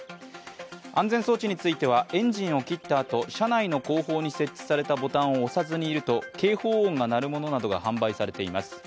安全装置については、エンジンを切ったあと車内の後方に設置されたボタンを押さずにいると、警報音が鳴るものなどが販売されています。